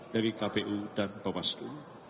dari kpu dan bawaslu